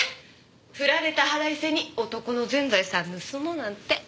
ふられた腹いせに男の全財産盗もうなんて。